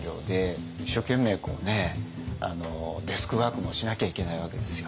一生懸命デスクワークもしなきゃいけないわけですよ。